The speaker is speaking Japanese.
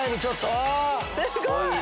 すごい！